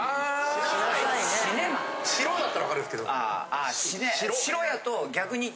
「しろ」だったら分かるんですけど。